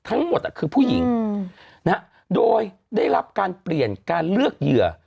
ทั้งหมดคือผู้หญิงโดยได้รับการเปลี่ยนการเลือกเหยื่อ